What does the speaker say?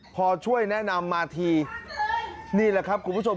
พอช่วยแนะนำมาทีนี่แหละครับคุณผู้ชม